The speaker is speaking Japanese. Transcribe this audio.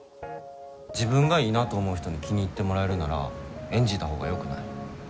自分がいいなと思う人に気に入ってもらえるなら演じたほうがよくない？